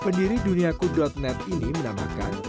pendiri duniaku net ini menambahkan